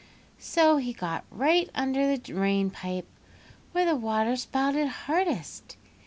"So he got right under the rain pipe where the water spouted hardest.